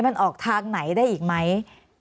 มันออกทางไหนได้อีกไหม